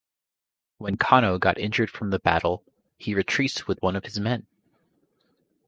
When Kano got injured from the battle, he retreats with one of his men.